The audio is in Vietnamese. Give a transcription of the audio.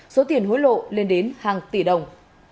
số tiền hối lộ lên đến hàng tỷ đồng